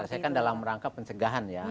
ya diselesaikan dalam rangka pencegahan ya